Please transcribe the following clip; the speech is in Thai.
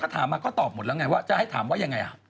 ถามมาก็ตอบหมดแล้วไงว่าจะให้ถามว่ายังไง